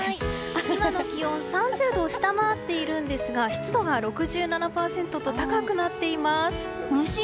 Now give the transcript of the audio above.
今の気温３０度を下回っているんですが湿度が６７％と高くなっています。